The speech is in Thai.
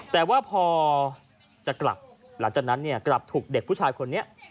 แต่ว่าพอจะกลับหลังจากนั้นเนี่ยกลับถูกเด็กผู้ชายคนนี้